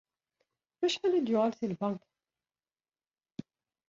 Ɣef wacḥal ay d-yeqqel seg tbanka?